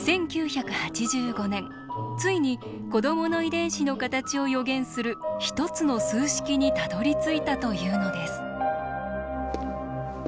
１９８５年ついに子どもの遺伝子の形を予言する一つの数式にたどりついたというのです。